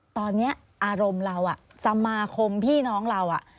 ตอนนี้อารมณ์เราสมาคมพี่น้องเรา